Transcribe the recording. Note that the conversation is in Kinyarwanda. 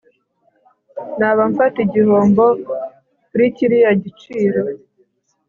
naba mfata igihombo kuri kiriya giciro